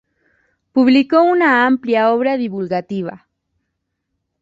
Publicó una amplia obra divulgativa.